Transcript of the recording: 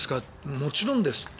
もちろんですって。